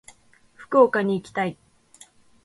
福岡に行きたい。